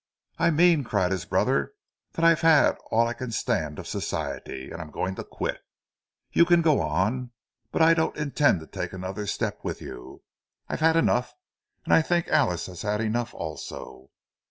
"I mean," cried his brother, "that I've had all I can stand of 'Society!' And I'm going to quit. You can go on—but I don't intend to take another step with you! I've had enough—and I think Alice has had enough, also.